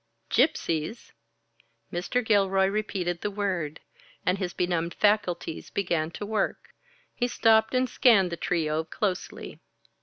"Gypsies?" Mr. Gilroy repeated the word, and his benumbed faculties began to work. He stopped and scanned the trio closely.